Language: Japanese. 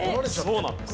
そうなんです。